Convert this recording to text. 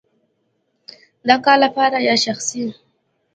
د کار لپاره یا شخصی؟